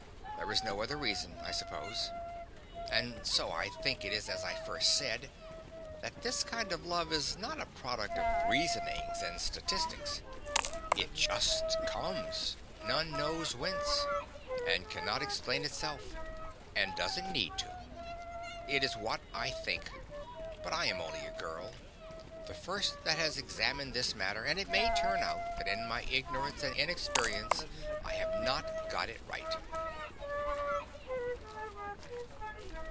There is no other reason, I suppose. And so I think it is as I first said: that this kind of love is not a product of reasonings and statistics. It just COMES none knows whence and cannot explain itself. And doesn't need to. It is what I think. But I am only a girl, the first that has examined this matter, and it may turn out that in my ignorance and inexperience I have not got it right.